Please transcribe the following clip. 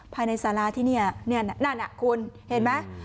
ภายในศาลาที่เนี่ยนั่นอ่ะคุณเห็นมั้ย